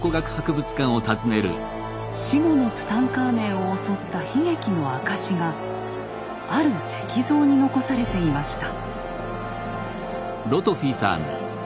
死後のツタンカーメンを襲った悲劇の証しがある石像に残されていました。